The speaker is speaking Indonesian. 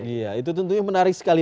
iya itu tentunya menarik sekali